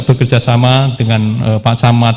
bekerjasama dengan pak samad